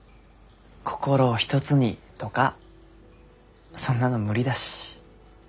心を一つにとかそんなの無理だし。